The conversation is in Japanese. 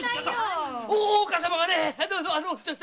大岡様がね‼